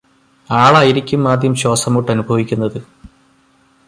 ആളായിരിക്കും ആദ്യം ശ്വാസംമുട്ട് അനുഭവിക്കുന്നത്